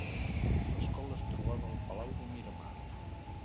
L’escola es trobava al Palau de Miramar.